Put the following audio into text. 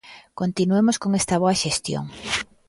Continuemos con esta boa xestión.